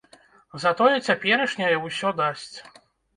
Затое цяперашняя ўсё дасць.